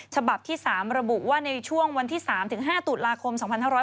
ฉบับที่๓ระบุว่าในช่วงวันที่๓๕ตุลาคม๒๕๖๐